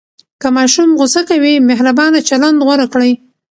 که ماشوم غوصه کوي، مهربانه چلند غوره کړئ.